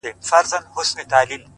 o ما په لفظو کي بند پر بند ونغاړه،